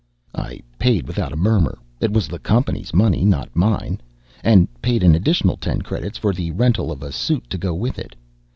I paid without a murmur it was the company's money, not mine and paid an additional ten credits for the rental of a suit to go with it.